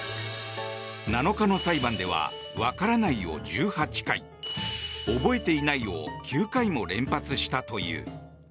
７日の裁判では分からないを１８回覚えていないを９回も連発したという。